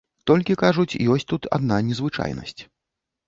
Толькі, кажуць, ёсць тут адна незвычайнасць.